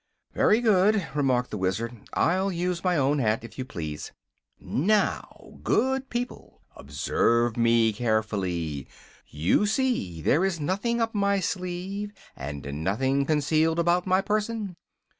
"Very good," remarked the Wizard. "I'll use my own hat, if you please. Now, good people, observe me carefully. You see, there is nothing up my sleeve and nothing concealed about my person.